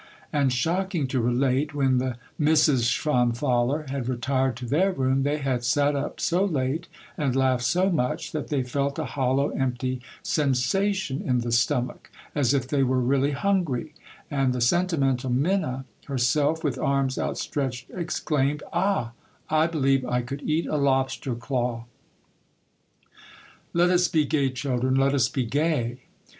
And, shocking to relate, when the Misses Schwanthaler had retired to their room, they had sat up so late, and laughed so much, that they felt a hollow, empty sensation in the stomach, as if they were really hungry, and the sentimental Minna herself, with arms out stretched, exclaimed, —" Ah, I believe I could eat a lobster claw !" "LET US BE GAY, CHILDREN, LET US BE GAY